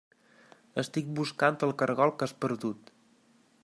Estic buscant el caragol que has perdut.